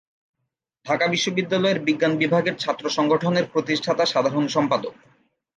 ঢাকা বিশ্ববিদ্যালয়ের বিজ্ঞান বিভাগের ছাত্র সংগঠনের প্রতিষ্ঠাতা সাধারণ সম্পাদক।